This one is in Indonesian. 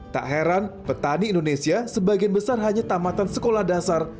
tak heran petani indonesia sebagian besar hanya tamatan sekolah dasar